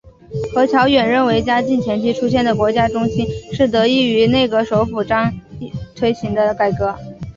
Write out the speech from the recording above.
何乔远认为嘉靖前期出现的国家中兴是得益于内阁首辅张璁推行的改革。